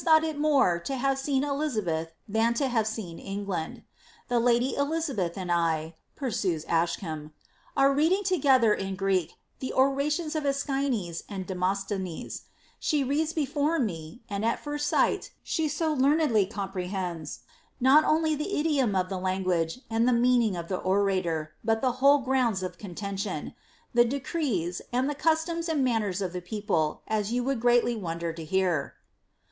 "^ He added, ^ that Metullua liMMighi it more to have seen Elizabeth than to have seen England Tha lady Elizabeth and 1,'' pursues Ascham, ^ are reading together in Gnek the orations of Eschines and Demosthenes ; she reads before me ; lad at first eight ahe ao learnedly comprehends, not only the idiom of ihe language and the meaning of. the orator, but the whole grounda of eoottntioo, — the decreea, and the customs and mannera of the people, as you would greatly wonder to hear."